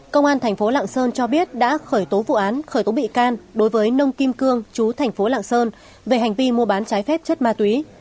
công an thành phố lạng sơn cho biết đã khởi tố vụ án khởi tố bị can đối với nông kim cương chú thành phố lạng sơn về hành vi mua bán trái phép chất ma túy